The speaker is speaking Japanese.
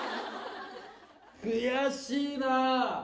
悔しいな。